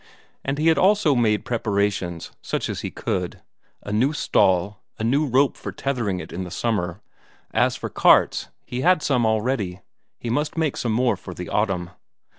And he had also made preparations such as he could; a new stall, a new rope for tethering it in the summer; as for carts, he had some already, he must make some more for the autumn.